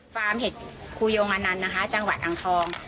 เห็ดครูยงอนันต์นะคะจังหวัดอังทอง